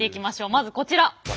まずこちら。